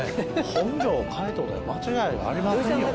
本条海斗で間違いありませんよ